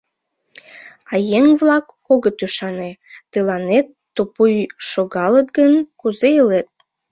А еҥ-влак огыт ӱшане, тыланет тупуй шогалыт гын, кузе илет?